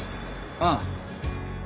ああ。